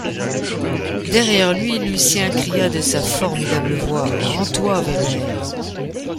Derrière lui, Lucien cria de sa formidable voix: — Rends-toi, Weber!